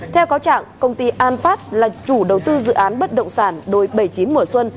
theo cáo trạng công ty an phát là chủ đầu tư dự án bất động sản đồi bảy mươi chín mở xuân